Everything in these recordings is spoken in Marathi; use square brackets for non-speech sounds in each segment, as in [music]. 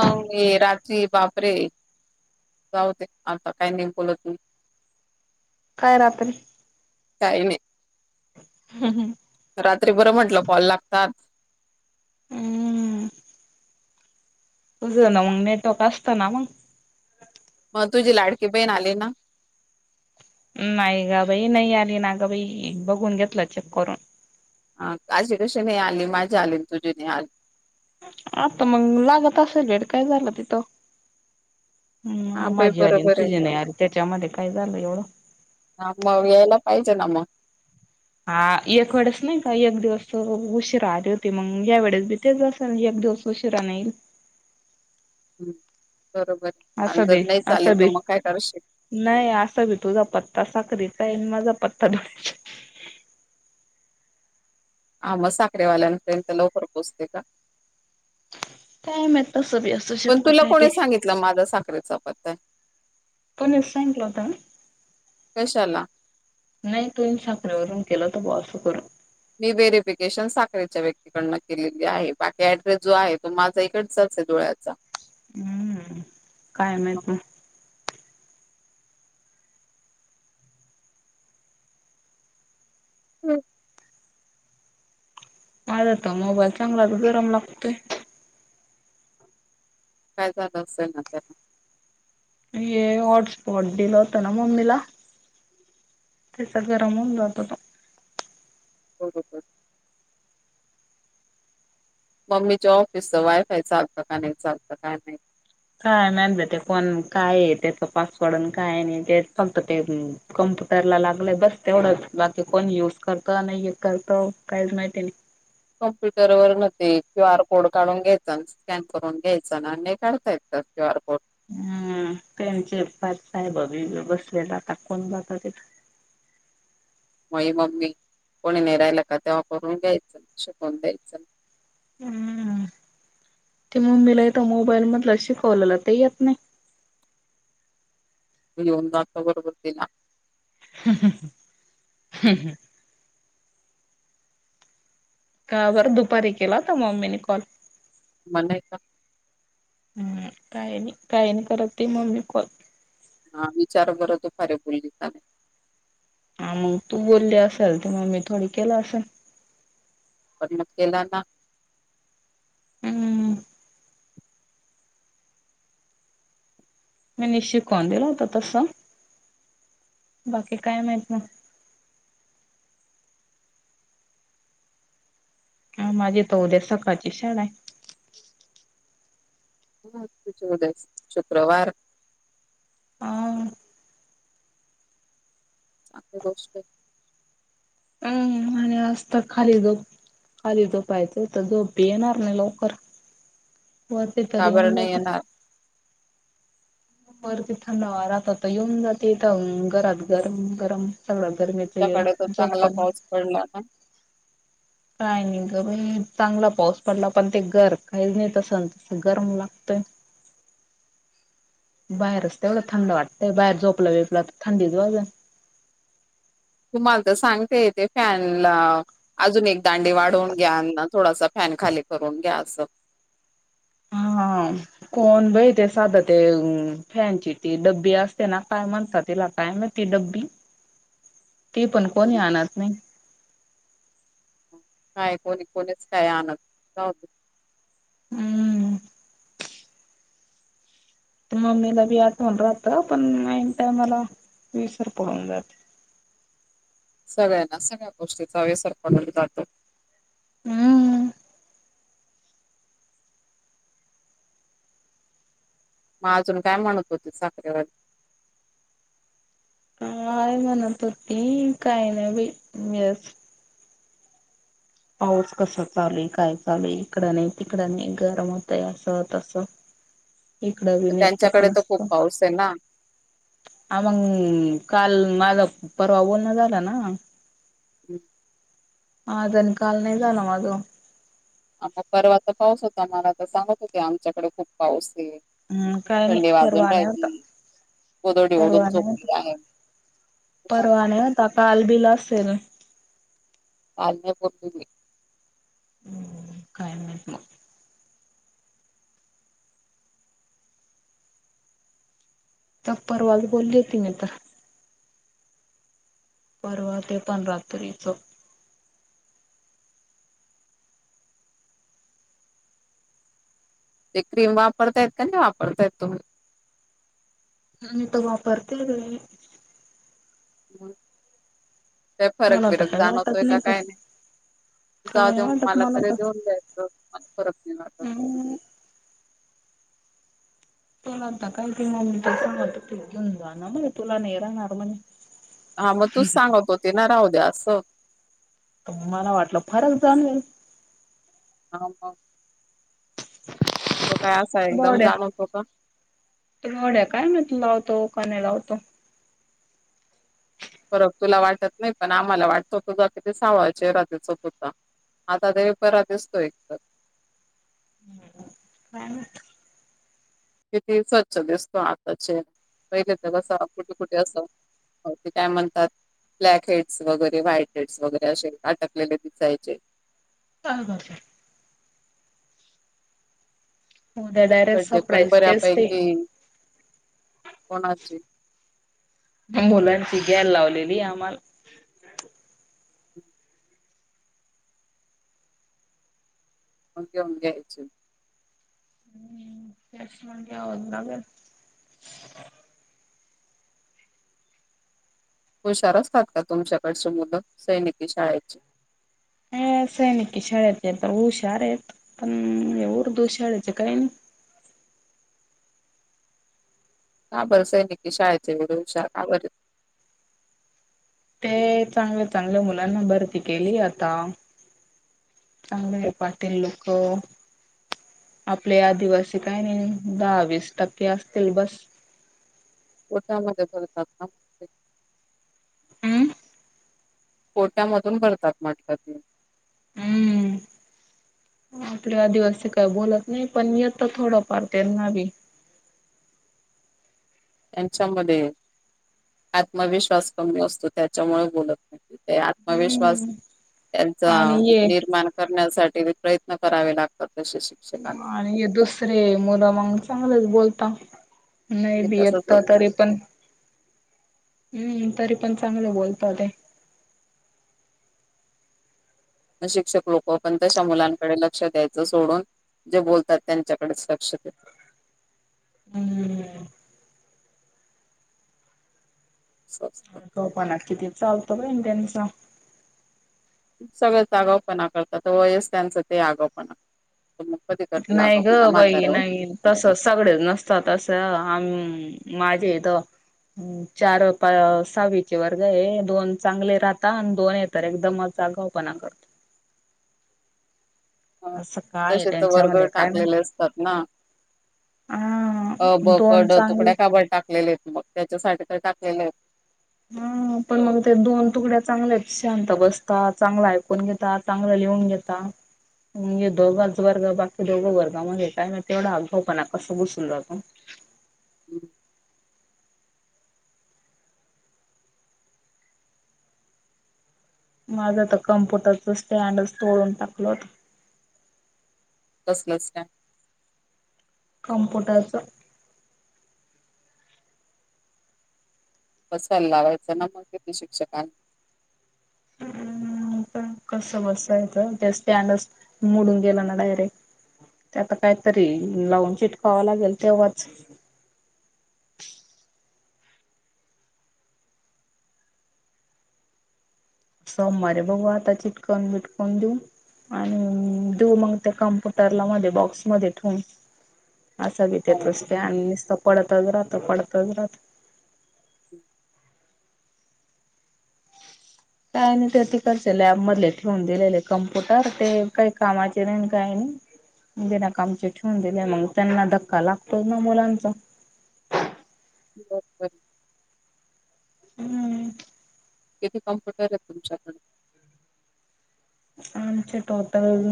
स ये रात्री बापरे. जा होते आता काही नाही बोलत मी. काय रात्री. काहि. हम् हम्. रात्री बरं म्हटलं कॉल लागतात. हम. कस मग नेटवर्क असतं ना मग. मग तुझी लाडकी बहीण आली ना. नाही ग बाई नाही आली, ना ग बाई बघून घेतलं, चेक करून. ह काजी कशी नाही आली, माझी आली, तुझी नाही आली. आता मग लागत असेल, भेट काय झालं तिथं. हा हम् बाई माझी आली बरोबर आहे. सजने आली, त्याच्यामध्ये काय झालं एवढं. ह मग यायला पाहिजे ना मग. हा एक वेळेस नाही, का एक दिवस उशी राहली होते, मग या वेळेस बी- तेच असल म्हणजे एकद उशीिरा येईल. हम् बरोबर आहे आणि असं जर बी नाही, चालेल असं तर बी मग काय करू शक- नाही असं भी तुझा पत्ता साखरीचा आहे, माझा पत्ता डो्या- हा मग साखरेवाल्यांपर्यंत लवकर पोचते का. कायम तसं ब असू पण शकत तुला काय कोणी ते. सांगितलं माझा साखरेचा पत्ता हे. कोणी सांगलं होता. कशाला. नाही तु साखरवरून केलं तर ब असं करून मी व्हेरीिफिकेशन साखरेच्या व्यक्तीकडनं केलेली आहे बाकी ऍड्रेस जो आहे तो माझा इकडच डोळ्याचा हम्म काय माह ना हम् माझता मोबाईल चांगला तर गरम लागतोय काय झालं असेल ना त्याला ये हॉटस्पॉट दिडल होतं ना मम्मीला. तेचा गरमवून जात होतो. हो हो. मम्मीच्या ऑफिसचं वायफाय चालतं का नाही चालतं काय नाही काय मात ते कोण काय आहे त्याच पासवर्ड काय नाही तेच फक्त ते कम्प्युटर लागलंय बस तेवढंच बाकी कोण युज करत नाही करत काहीच माहितीय नाही कम्प्युटर वर न्ह क्यू आर कोड काढून घ्यायचा स्कॅन करून घ्यायच ना हे काढतायत क्युू आर कोड हम्म त्यांचे पाच साहेबी बसले जातात कोण जातात तिथं मई मम्मी कोणी ने राहियला का तेव्हा करून घ्यायचं शिकवून द्यायचं हम्म ते मग मीला इथ मोबाईल मधलं अशी कॉलला ते येत नाही त येऊनातता बरोबरती ना ह ह ह ह् हम का बर दुपारी केला तर मम्मीने कॉल मला का हम्म काही नाही काही नाही करत ते मम्मी हा विचार बर तो फारी बोललीचा नाही हा मग तू बोलली असेल ते मग मी थोडी केलं असेल पर केला ना हम्म मी निश शिकवून दिला होता तस बाकी काय माहित ना हा माझी तर उद्या सकाळची शाळा त च उदस शुक्रवार ह चांगली गोष्ट आहे हम्म असतात खाली जो खाली झोपायच तर झोप येणार नाही लवकर वते तर का बरं येऊन नाही जाते येणार व तिथं नव राहातता येऊन जातेथं घरात गरम गरम सगळं गरमेच ये जॉब पण पडणार ना काय नाही ग बाई चांगला पाऊस पडला पण ते गर काही नाही तसं तस गरम लागतय [inaudible] बाहेरचते तेवढं थंड वाटतंय बाहेर झोपला वेपला तर थंडीच वाज तुम्हाला तर सांगते य तेे फॅनला अजून एक दांडी वाढवून घ्या थोडासा फॅन खाली करून घ्या असं. हा कोण ब ते साधं ते फॅनची ती डब्बी असते ना काय म्हणतात तिला काय मा. तेी ड्बी [inaudible] ती पण कोणी आण नाही काय कोणी कोणीच काय आणन हम्म मम्मीला बी आठवन राहत पण मन टा मला विीसवर पहून जात सगळ्यांना सगळ्या गोष्टीचा व्यसर बनून जातो हम्म मग अजून काय म्हणत होते साखरेवर काय म्हणत होती काही नाही बी वस पाऊस कसा चालेल काय चालू इकडं नाही तिकडं नाही गरम होतय असं तस त्यांच्याकडे तर खूप पाऊस आहे ना ह मग काल माझा परवा बोलण झाला ना हम् ह दन काल नाही जा नाव मज मग परवाचा पाऊस होता आ मला तर सांगत होते आमच्याकडे खूप पाऊस आहे हम्म काय नाही थंडी वाजून परवा नाही होता राहिली कोदडी ओढून झोपली आहे परवाने होता कालबिल असेल पा पूर् हम् काय नाही त परवाल बोलली त म तर परवा ते पण रात्रीचं ते क्रीम वापरताय का नाही वापरतायेत तुम्ही ह्ी तगपरतेे ह का फरक मला तर बिरक काय वाटत जाणवतोय का पर काय नाही जा काय नाही दे वाटत मला तरी देऊन द्यायचंला फरक नाही वाटत तर तुला तकाय तिंगस म पि ना म तुला नेराणाररमणे हा मग तूच सांगत होते ना राहू द्या असं तु म्हाला वाटलं फरक जाणवेल ह ह तो काय असा एकदम जाणवतो का घड्या काय म तू लावतो का नाही लावतो फरक तुला वाटत नाही पण आम्हाला वाटत होत ज कि ते सावळाचे रजाच होत होत आता देव पररात दिसतो एक तर ह किती स्वच्छ दिसतो आताचे पहिले तर कसं कुठे कुठे असं हो ते काय म्हणतात ब्लॅक हेड्स वगैरे व्हाईट हेड्स वगैरे असे अटकलेले दिसायचे का कात हो सडडे पण बऱ्यापैकी कोणाचे मुलांची गॅर लावलेली आम्हाला अे घयच हम्म यश मंग हवद ना ग हुशार असतात का तुमच्याकडचे मुलं सैनिकी शाळेचे ह असं आहे न की शाळेचे तर हुशार आहेत पण उर्दू शाळेचे काही नाही काबर सैनिक शायजड ते चांगलं चांगल्या मुलांना भरती केली आता चांगले पाटेील लोक आपले आदिवासी काही नाही दहावीस टक्के असतील बस कोठ्यामध्येतात हम् पोट्यामधून भरतात म्हटलं त हम्म. आपले आदिवासी काय बोलत नाही पण येत तर थोडं पार त्यांना बी त्यांच्यामध्ये आत्मविश्वास कमी असतो त्याच्यामुळे बोलत नाही ते आत्मविश्वास हम्म. त्यांचा आणि ये निर्माण करण्यासाठी प्रयत्न करावे लागतात तसे शिक्षकांना आणि दुसरे मुलं मग चांगलेच बोलता नाही हे बी तसच येतता तरी पण हम्म तरी पण चांगलं बोलत ते शिक्षक लोक पण तशा मुलांकडे लक्ष द्यायचं सोडून जे बोलतात त्यांच्याकडेच लक्ष देत हम्म. सस्त तोफाना किती चालतो बईन त्यांचा. सगळंच आगावू पणा करतात वय स त्यांचं ते आगावू पणा पण मग कध करतील नाही आगावू ग पण ना, बाई म्हाताऱ्याहून. नाही तस सगळे नसतात तसं आम् माझेथ ह् चार पा सहावीचे वर्ग आहे दोन चांगले राहता आणि दोन य तर एकदमच जागा पणा कर असं काय तसे तर वर्ग त्यांच्यामध्ये काय माहित टाकलेले असतात ना हा अ ब दोन पड चांगले तुकड्या काबड टाकलेले आहेत मग त्याच्यासाठी तर टाकलेले आहेत हा [unintelligible] पण मग ते दोन तुकड्या चांगले शांत बसतात. चांगले ऐकून घेता चांगलं लिहून घेता. अम्म दोघंच वर्ग बाकी दोघं वर्ग म्हगे काय नाही तेवढा आग्गावू पणा कं घुसुन जातो. हम्म. माझं तर कम्प्युटरच स्टँड स तोडून टाकलं होत. कसलच काय? कमप्युटरच बसायला लावायचं ना, मग तीथ शिक्षकांन [inaudible] मी पण कस बसायचं त्या स्टँडस मोडून गेल ना, डायरेक ते आता कायतरी लावून चिटकावं लागेल तेव्हाच. सोम्मारी बघू आता चिटकन बिटकन देऊ. आणि देऊ मंग ते कम्प्युटरला मध्ये बॉक्स मध्ये ठेवून. असा बी हो त्याचा स्टॅड नीसत पडतच राहत पडतच राहत. हम [unintelligible] काय नाही ते तिकडच लॅब मधले ठेवून दिलेले, कम्प्युटर ते काही कामाचे नाही काय नाही. बिना कामचे ठेवून दिले मंग त्यांना धक्का लागतोच ना मुलांचा. बर बरं [unintelligible] हम्म. किती कम्पुटर हेत तुमच्याकडे? आमचे टोटल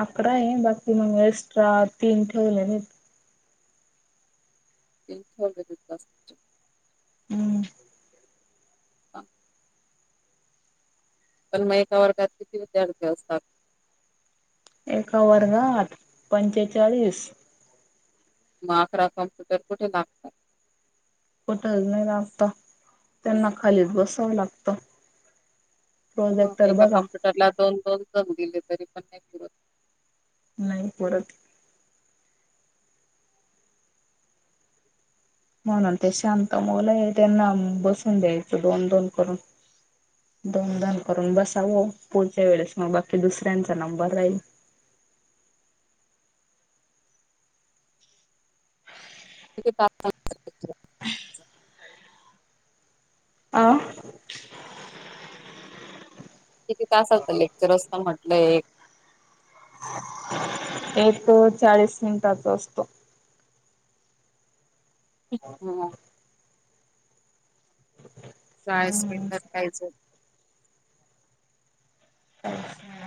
अकरा आहे बाकी मग एक्स्ट्रा तीन ठेवलेले आहेते. तीन ठेवलेले आहेत का तुमचे? हम्म. ह [unintelligible] पण मग एका वर्गात किती विद्यार्थी असतात? एका वर्गात पंचेचाळीस. म अकरा कम्प्युटर कुठे बाग. कुठज नाही आत्ता त्यांना खालीच बसावं लागत. हो एका कम्प्युटरला दोन, दोन जण दिले तरी पण नाही पुरत. नाही पुरत. म्हणून ते शांत मोल हे त्यांना बसून द्यायचं दोन दोन करून. दोन झन करून बसा भो पुढच्या, वेळेस म बाकी दुसऱ्यांचा नंबर राहील एके [unintelligible] अ. किती तास च असत लेक्चर असत म्हटलं हे? त्यांच चाळीस मिनिटाचा असतो. अच् हा [unintelligible] चाळीस हम्म मिनटात पाहिजे [unintelligible] अम् हा [unintelligible]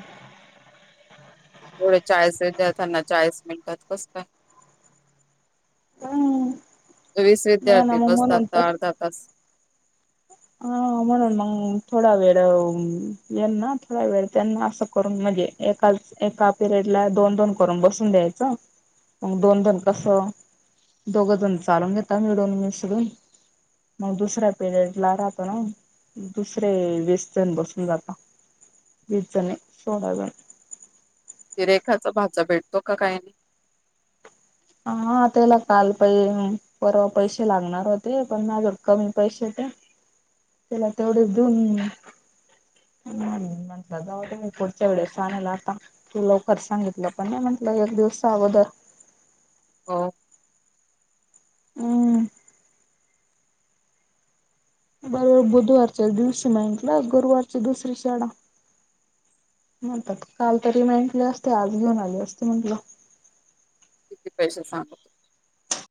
एवढे चाळीस त्यांना चाळीस मिळतात कसं काय? वीस नाही ना विद्यार्थी मग बसतात म्हणून त अर्धा तास. अ म्हणून मंग थोडा वेळ यांना. थोडा वेळ त्यांना असं करून म्हणजे, एका एका पिरियड ला दोन दोन करून बसून द्यायचं मग दोन जण कसं दोघ जण चालून घेतता मिळून मिसळून मग दुसऱ्या पिरयड ला ना [unintelligible] दुसरे वीस जण बसून जाता. वीस जनी थोडा वेळ. ति रेखाचा भाचा भेटतो का काई नई? हा त्याला काल पै परवा पैसे लागणार होते पण माजवड कमी पैसे ते त्याला तेवढंच दन म्हटलं जाव मी पुढच्या वेळेस आणला आता तू लवकर सांगितलं पण नाही म्हंटलं एक दिवसच अगोदर हो हम बरोबर बुधवारच्या दिवशी माहिक ना गुरुवारची दुसरी शाळा म्हणतात काल तरी मेंटले असते आज घेऊन आले असते म्हंटलं किती पैसे सांगत